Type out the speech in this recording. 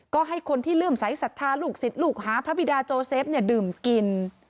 ก็ให้คนที่เลื่อมใสสัทธาลูกศิษย์ลูกหาพระบิดาโจเซฟดื่มกิน